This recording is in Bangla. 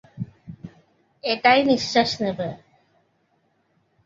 এটায় নিশ্বাস নেবে।